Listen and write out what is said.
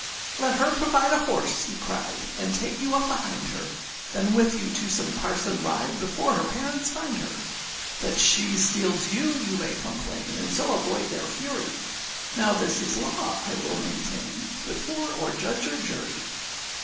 âLet her provide a horse,â he cried, âAnd take you up behind her; Then with you to some parson ride Before her parents find her: That she steals you, you may complain, And so avoid their fury. Now this is law I will maintain Before or judge or jury.